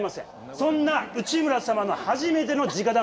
そんな内村様の初めてのじか談判。